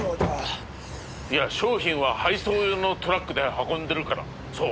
いや商品は配送用のトラックで運んでるからそう！